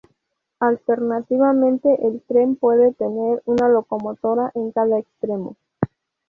Alternativamente, el tren puede tener una locomotora en cada extremo.